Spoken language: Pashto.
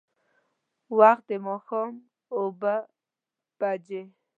وخت د ماښام اوبه بجې.